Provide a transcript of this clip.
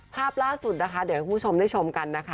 ภาพล่าสุดนะคะเดี๋ยวให้คุณผู้ชมได้ชมกันนะคะ